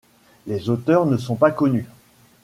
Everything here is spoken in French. Les auteurs ne sont pas connus.